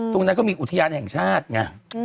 ตรงนั้นก็มีอุทยานแห่งชาติไง